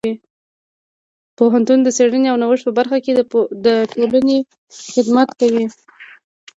پوهنتون د څیړنې او نوښت په برخه کې د ټولنې خدمت کوي.